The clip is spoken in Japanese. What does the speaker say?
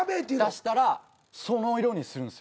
出したらその色にするんすよ。